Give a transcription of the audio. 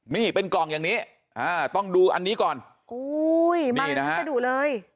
นี่เป็นกล่องอย่างนี้ต้องดูอันนี้ก่อนมากับพัสดุเลย